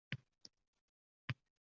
Mahalla-ko‘yda bosh ko‘tarib yurolmayd